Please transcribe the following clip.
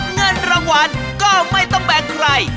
เงินรางวัลก็ไม่ต้องแบ่งใคร